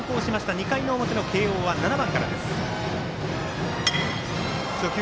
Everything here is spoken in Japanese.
２回表の慶応は７番からです。